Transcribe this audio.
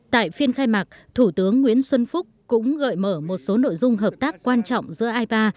tại phiên khai mạc thủ tướng nguyễn xuân phúc cũng gợi mở một số nội dung hợp tác quan trọng giữa ipa